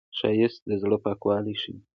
ښایست د زړه پاکوالی ښيي